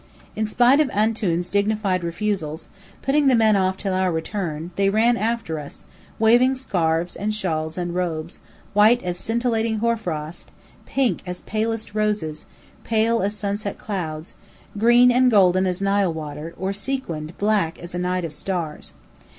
In spite of "Antoun's" dignified refusals, putting the men off till our return, they ran after us, waving scarfs and shawls and robes, white as scintillating hoarfrost, pink as palest roses, purple as sunset clouds, green and golden as Nile water, or sequined black as a night of stars.